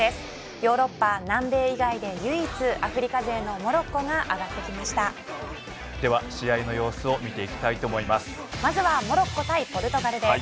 ヨーロッパ南米以外で唯一アフリカ勢のモロッコがでは、試合の様子をまずはモロッコ対ポルトガルです。